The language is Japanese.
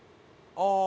ああ。